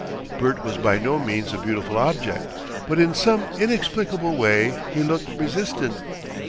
Bert was by no means a beautiful object, but in some inexplicable way he looked resistant.